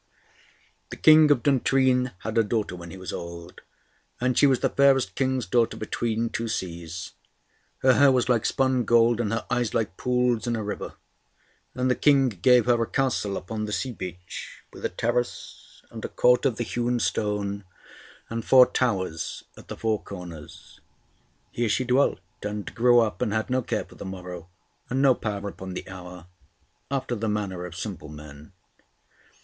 The King of Duntrine had a daughter when he was old, and she was the fairest King's daughter between two seas; her hair was like spun gold, and her eyes like pools in a river; and the King gave her a castle upon the sea beach, with a terrace, and a court of the hewn stone, and four towers at the four corners. Here she dwelt and grew up, and had no care for the morrow, and no power upon the hour, after the manner of simple men.